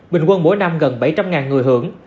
bình quân mỗi năm gần bảy trăm linh người hưởng